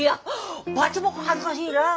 バチボコ恥ずかしいなぁ。